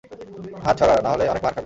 হাত সরা, নাহলে অনেক মার খাবি।